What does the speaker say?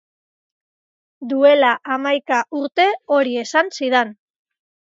Duela hamaika urte hori esan zidan.